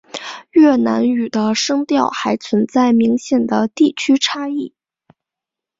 越南语的声调还存在明显的地区差异。